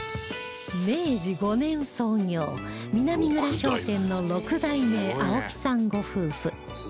明治５年創業南蔵商店の６代目青木さんご夫婦